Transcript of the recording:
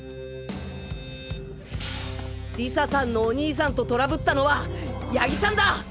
理沙さんのお兄さんとトラブったのは谷木さんだ！